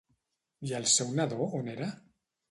I el seu nadó on era?